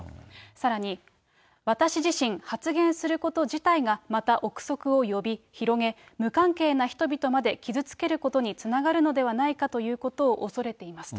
さらに、私自身、発言すること自体がまた臆測を呼び、広げ、無関係な人々まで傷つけることにつながるのではないかということを恐れていますと。